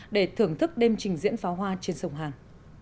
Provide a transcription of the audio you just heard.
để thưởng thức đêm trình diễn pháo hoa trên sông hàn